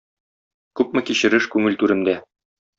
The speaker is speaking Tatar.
Күпме кичереш күңел түремдә!